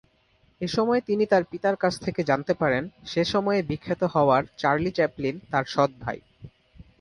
এসময়ে তিনি তার পিতার কাছ থেকে জানতে পারেন সে সময়ে বিখ্যাত হওয়ার চার্লি চ্যাপলিন তার সৎ ভাই।